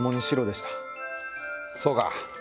そうか。